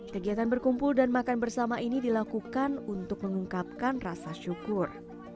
kegiatan berkumpul dan makan bersama ini dilakukan untuk mengungkapkan rasa syukur